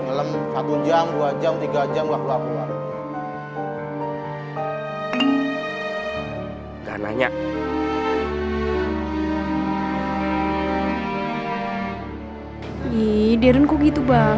nyelem satu jam dua jam tiga jam waktu aku keluar